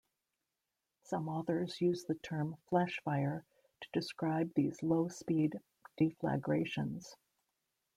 Some authors use the term flash fire to describe these low-speed deflagrations.